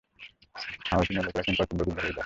হাওয়াযিনের লোকেরা কিংকর্তব্যবিমূঢ় হয়ে যায়।